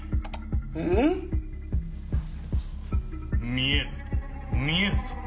⁉見える見えるぞ